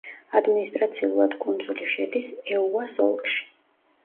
ადმინისტრაციულად კუნძული შედის ეუას ოლქში.